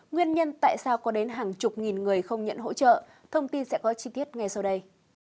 nguyên nhân tại sao có đến hàng chục nghìn người không nhận hỗ trợ thông tin sẽ có chi tiết ngay sau đây